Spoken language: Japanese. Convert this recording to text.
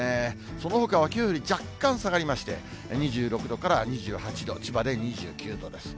そのほかはきょうより若干下がりまして、２６度から２８度、千葉で２９度です。